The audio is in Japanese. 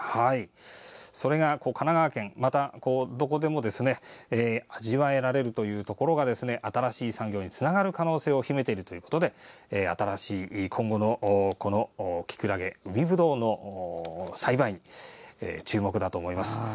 それが神奈川県、またどこでも味わえるというところが新しい産業につながる可能性を秘めているということで新しい、今後のキクラゲ、海ぶどうの栽培に注目だと思います。